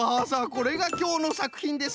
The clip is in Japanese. これがきょうのさくひんです。